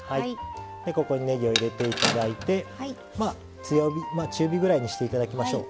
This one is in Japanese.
ここに、ねぎを入れていただいて中火ぐらいにしていただきましょう。